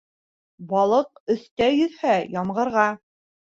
Балыҡ өҫтә йөҙһә ямғырға.